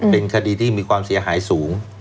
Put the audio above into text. เป็นคดีที่มีความเสียหายสูง